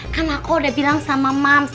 kan aku udah bilang sama mums